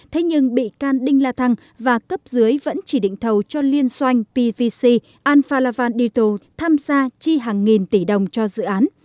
thế nhưng bị can đinh la thăng và cấp dưới vẫn chỉ định thầu cho liên xoanh pvc al phalavandital tham gia chi hàng nghìn tỷ đồng cho dự án